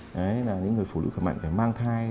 đấy là những người phụ nữ khỏe mạnh phải mang thai